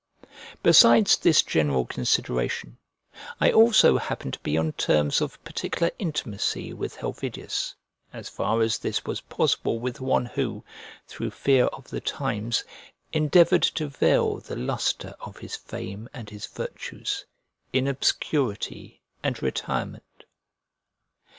Besides this general consideration, I also happened to be on terms of particular intimacy with Helvidius, as far as this was possible with one who, through fear of the times, endeavoured to veil the lustre of his fame, and his virtues, in obscurity and retirement.